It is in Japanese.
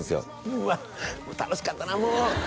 「うわっ楽しかったなあもう！」